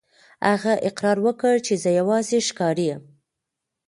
هغه اقرار وکړ چې زه یوازې ښکاري یم.